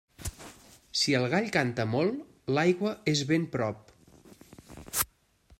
Si el gall canta molt, l'aigua és ben prop.